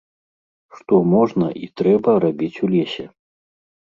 Што можна і трэба рабіць у лесе?